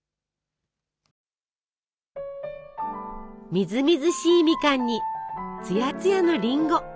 みずみずしいミカンにつやつやのりんご。